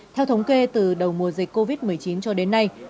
theo thống kê từ đầu mùa dịch covid một mươi chín cho đến nay